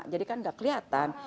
jadi kan tidak kelihatan